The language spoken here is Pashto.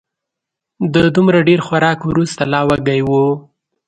د دومره ډېر خوراک وروسته لا وږی و